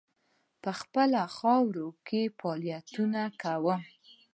په خپله خاوره کې فعالیتونه کوم.